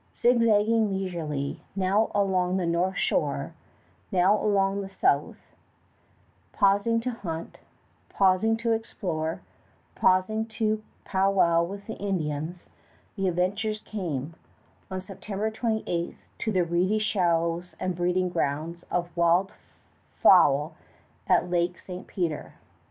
Zigzagging leisurely, now along the north shore, now along the south, pausing to hunt, pausing to explore, pausing to powwow with the Indians, the adventurers came, on September 28, to the reedy shallows and breeding grounds of wild fowl at Lake St. Peter.